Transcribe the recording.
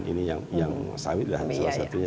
ini yang summit lah salah satunya